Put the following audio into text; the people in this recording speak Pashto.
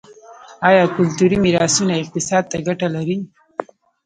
آیا کلتوري میراثونه اقتصاد ته ګټه لري؟